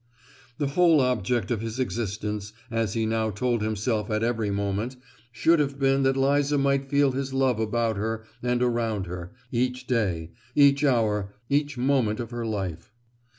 The whole object of his existence, as he now told himself at every moment, should have been that Liza might feel his love about her and around her, each day, each hour, each moment of her life.